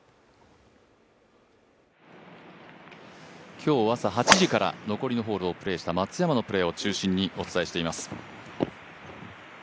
今日朝８時から残りのホールをプレーした松山を中心にお伝えしています。